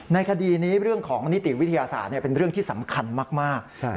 ในคดีนี้เรื่องของนิติวิทยาศาสตร์เป็นเรื่องที่สำคัญมาก